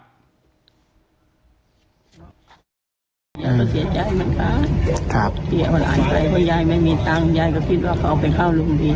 ก็เสียใจเหมือนกันเพราะที่หลานใจว่าย้ายไม่มีเงินตาย้ายก็คิดว่าเขาเอาไปเข้ารุมเรียน